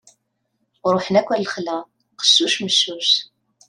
Ruḥen akk ɣer lexla: qeccuc meccuc.